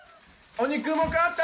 お肉も買った。